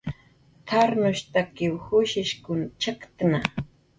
"T""arnushtakiw jusshiskun chakktna"